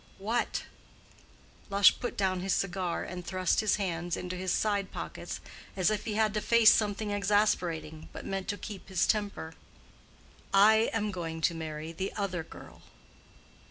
"What?" Lush put down his cigar and thrust his hands into his side pockets, as if he had to face something exasperating, but meant to keep his temper. "I am going to marry the other girl."